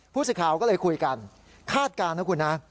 ผู้สื่อข่าวก็เลยคุยกันคาดการณ์นะคุณนะ